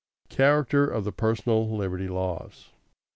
Character of the personal liberty laws.